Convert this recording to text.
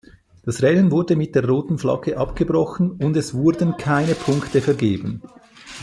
Das Rennen wurde mit der roten Flagge abgebrochen und es wurden keine Punkte vergeben.